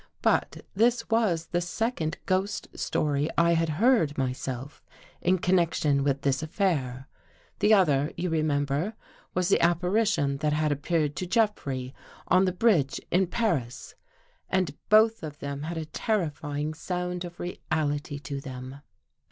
But this was the second j ghost story I had heard myself in connection with i this affair — the other, you remember, was the ap I parition that had appeared to Jeffrey on the bridge 1 in Paris — and both of them had a terrifying sound \ of reality to them.